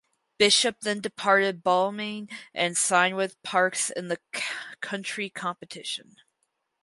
Bishop then departed Balmain and signed with Parkes in the country competition.